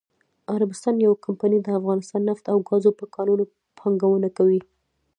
عربستان یوه کمپنی دافغانستان نفت او ګازو په کانونو پانګونه کوي.😱